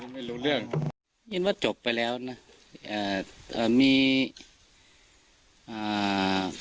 ไม่รู้เรื่องยินว่าจบไปแล้วนะอ่าเอ่อมีอ่า